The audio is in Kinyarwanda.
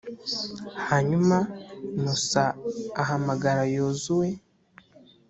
hanyuma musa ahamagara yozuwe,